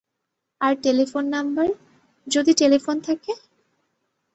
আর telephone number, যদি telephone থাকে।